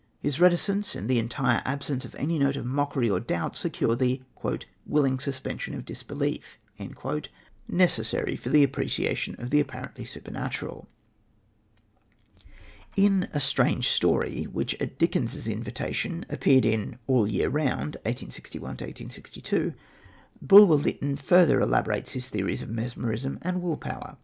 His reticence and the entire absence of any note of mockery or doubt secure the "willing suspension of disbelief" necessary to the appreciation of the apparently supernatural. In A Strange Story, which, at Dickens's invitation, appeared in All the Year Round (1861 2), Bulwer Lytton further elaborates his theories of mesmerism and willpower.